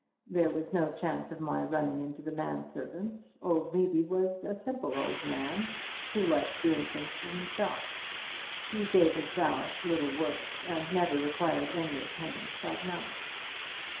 There was no chance of my running into the man servant. Old Levy was a simple old man, who liked doing things for himself. He gave his valet little work, and never required any attendance at night.